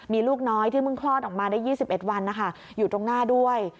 มีลูกน้อยที่เพิ่งคลอดออกมาได้๒๑วันนะคะอยู่ตรงหน้าด้วย